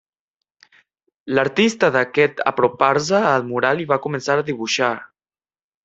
L'artista d'aquest apropar-se al mural i va començar a dibuixar.